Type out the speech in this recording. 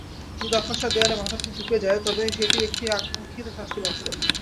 যদি অকস্মাৎ দেয়ালে মাথাটি ঠুকে যায়, তবে সেটিও একটি আকাঙ্ক্ষিত শাস্তিমাত্র।